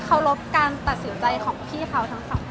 เลือกว่าการตัดสินใจของพี่เขา